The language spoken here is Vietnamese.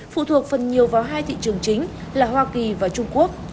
phụ thuộc phần nhiều vào hai thị trường chính là hoa kỳ và trung quốc